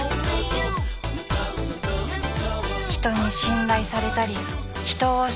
人に信頼されたり人を信頼したり